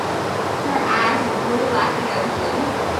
Her eyes were blue like the ocean.